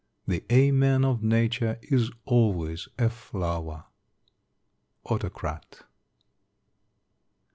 The 'Amen!' of Nature is always a flower." _Autocrat.